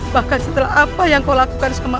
bahkan setelah apa yang kau lakukan sama emak